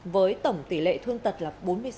với tổng tỷ lệ thương tật là bốn mươi sáu